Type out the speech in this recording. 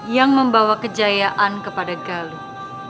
yang membawa kejayaan kepada galut